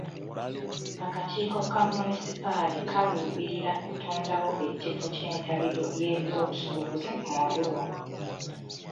Akakiiko ka munisipaali kaluubirira kutondawo ekifo ky'entabiro y'ebyobusuubuzi mu Arua.